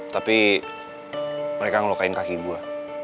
tapi mereka ngelukain kaki gue